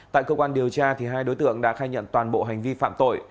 tại cơ quan điều tra hai đối tượng đã khai nhận toàn bộ hành vi phạm tội